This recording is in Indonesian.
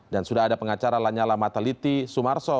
dan sudah ada pengacara lanyala mataliti sumarso